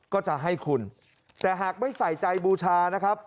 ก็จะให้คุณแต่หากไม่ใส่ใจบูชานะครับ